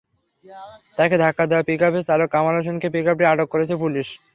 তাঁকে ধাক্কা দেওয়া পিকআপের চালক কামাল হোসেনকেসহ পিকআপটি আটক করেছে পুলিশ।